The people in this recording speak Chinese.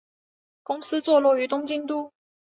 公司坐落于东京都。